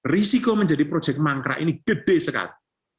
risiko menjadi proyek mangkrak ini gede sekali